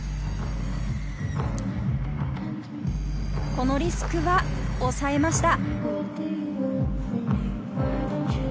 このリスクはおさえました。